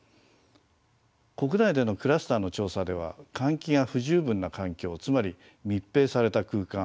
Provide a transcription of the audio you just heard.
国内でのクラスターの調査では換気が不十分な環境つまり密閉された空間